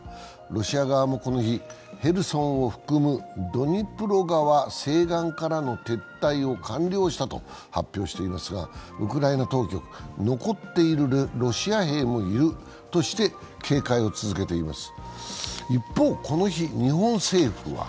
ロシア側もこの日、ヘルソンを含むドニプロ川西岸からの撤退を完了したと発表していますがウクライナ当局は残っているロシア兵もいるとして警戒を続けています。